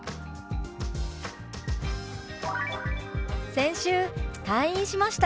「先週退院しました」。